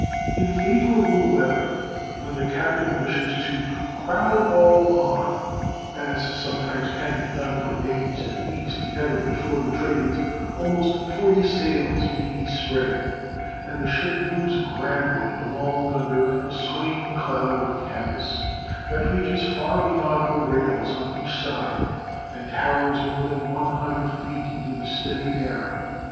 In favorable weather, when the captain wishes to "crowd all on," as sometimes can be done for days and weeks together before the trades, almost forty sails may be spread, and the ship moves grandly along under a swaying cloud of canvas that reaches far beyond her rails on each side, and towers more than one hundred feet into the steady air.